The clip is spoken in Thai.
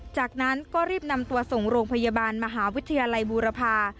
จากนั้นก็รีบนำตัวส่งโรงพยาบาลมหาวิทยาลัยบูรพา